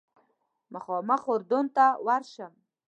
مخامخ اردن ته ورشم.